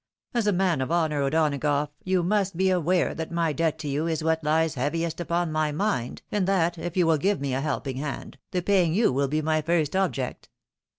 As a man of honour, O'Donagough, you must be aware that my debt to you is what lies heaviest upon my mind, and that, if you will give me a helping hand, the paying you will be my first object."